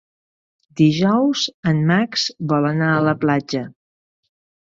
Dijous en Max vol anar a la platja.